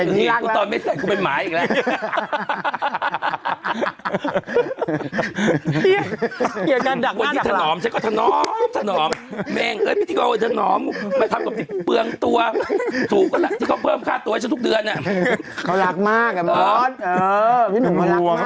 นี่สิยักษณ์ก่อนตอนไม่ใส่คุณเป็นหมาอีกแล้ว